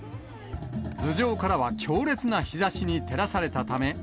頭上からは強烈な日ざしに照らされたため。